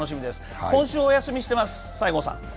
今週お休みしてます、西郷さん。